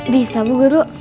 bisa bu guru